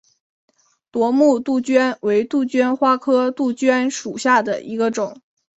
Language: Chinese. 夺目杜鹃为杜鹃花科杜鹃属下的一个种。